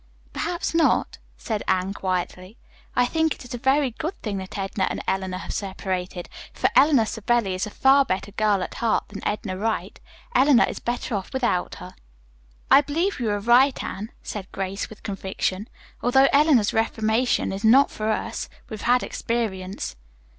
"Perhaps not," said Anne quietly. "I think it a very good thing that Edna and Eleanor have separated, for Eleanor Savelli is a far better girl at heart than Edna Wright. Eleanor is better off without her." "I believe you are right, Anne," said Grace with conviction. "Although Eleanor's reformation is not for us. We've had experience."